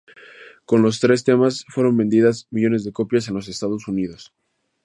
Con los tres temas fueron vendidas millones de copias en los Estados Unidos.